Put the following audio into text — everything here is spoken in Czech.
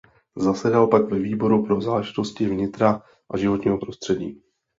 Zasedal pak ve výboru pro záležitosti vnitra a životního prostředí.